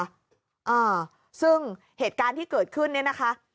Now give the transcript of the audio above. อ่าซึ่งเหตุการณ์ที่เกิดขึ้นเนี่ยนะคะ